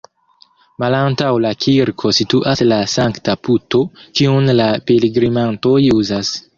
Malantaŭ la kirko situas la sankta puto, kiun la pilgrimantoj uzas.